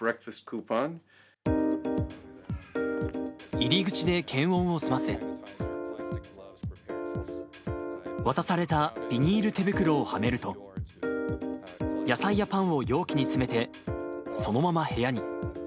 入り口で検温を済ませ、渡されたビニール手袋をはめると、野菜やパンを容器に詰めて、そのまま部屋に。